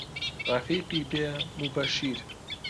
ڕەفیقی بێ موبەشیر